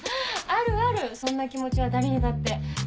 あるあるそんな気持ちは誰にだって。